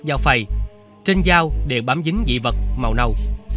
dao phầy trên dao đều bám dính dị vật màu nâu